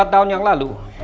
empat tahun yang lalu